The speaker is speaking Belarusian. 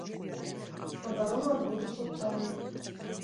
Абарона адбудзецца ў траўні.